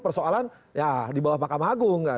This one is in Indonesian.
persoalan ya di bawah mahkamah agung